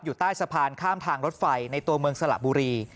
อยู่ใต้สะพานข้ามทางรถไฟในตัวเมืองสระบุรี